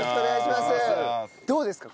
どうですか？